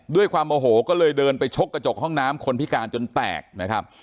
ด้วยความโอโหก็เลยเดินไปชกกระจกห้องน้ำคนพิการจนแตกนะครับ